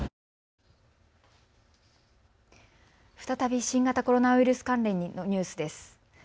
再び新型コロナウイルス関連のニュースです。